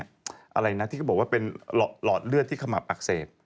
อะไรนะที่เขาบอกว่าเป็นหลอดเลือดที่ขมับอักเสบ